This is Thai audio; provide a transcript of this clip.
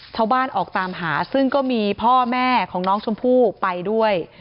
ชาวบ้านออกตามหาซึ่งก็มีพ่อแม่ของน้องชมพู่ไปด้วย